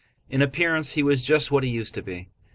In appearance he was just what he used to be.